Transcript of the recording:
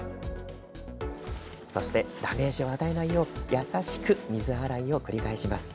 そして、ダメージを与えないよう優しく水洗いを繰り返します。